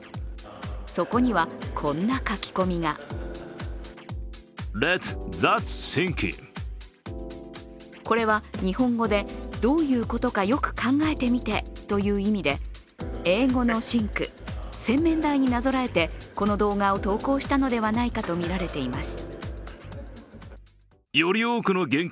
そこには、こんな書き込みがこれは日本語で「どういうことかよく考えてみて」という意味で英語のシンク＝洗面台になぞらえてこの動画を投稿したのではないかとみられています。